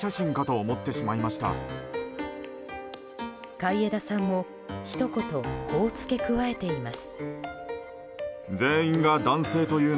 海江田さんも、ひと言こう付け加えています。